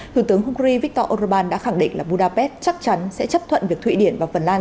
thủ tướng hungary viktor orbán đã khẳng định là budapest chắc chắn sẽ chấp thuận việc thụy điển và phần lan